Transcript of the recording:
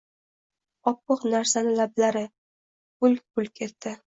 Oppoq narsani lablari... bulk-bulk etdi.